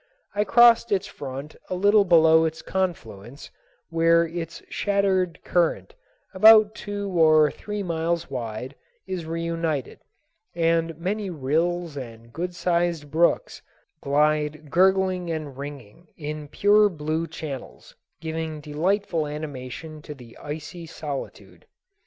I crossed its front a little below its confluence, where its shattered current, about two or three miles wide, is reunited, and many rills and good sized brooks glide gurgling and ringing in pure blue channels, giving delightful animation to the icy solitude.